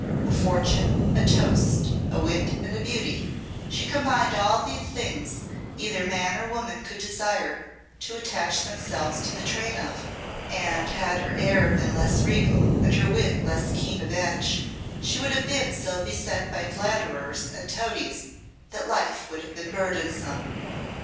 A fortune, a toast, a wit, and a beauty, she combined all the things either man or woman could desire to attach themselves to the train of; and had her air been less regal, and her wit less keen of edge, she would have been so beset by flatterers and toadies that life would have been burdensome.